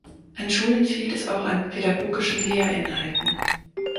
An Schulen fehlt es auch an pädagogischen Lehrinhalten.